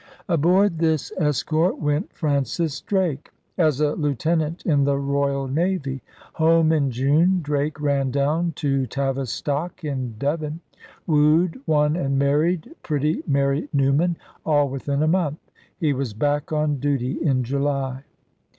Aboard this escort went Francis Drake as a lieutenant in the Royal Navy. Home in June, Drake ran down to Tavistock in Devon; wooed, won, and married pretty Mary Newman, all within a month. He was back on duty in July.